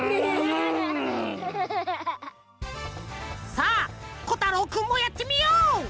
さあこたろうくんもやってみよう！